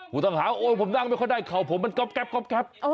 ผู้ต้องหาโอ๊ยผมนั่งไม่ค่อยได้เข่าผมมันก๊อบ